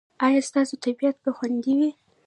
ایا ستاسو طبیعت به خوندي وي؟